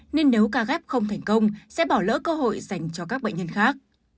nên nếu ca ghép không thành công sẽ bỏ lỡ cơ hội dành cho các bệnh nhân khác